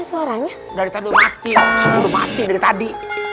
suaranya dari tadi mati udah mati dari tadi